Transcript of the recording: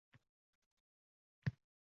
Shu tashvishni baham kuramiz